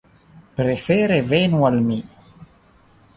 Prefere venu al mi.